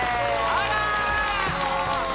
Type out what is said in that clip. あら！